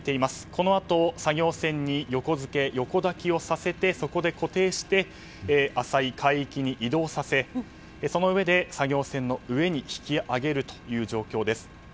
このあと、作業船に横付け横抱きをさせてそこで固定して浅い海域に移動させそのうえで作業船の上に引き揚げるという状況です。